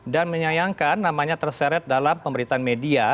dan menyayangkan namanya terseret dalam pemberitaan media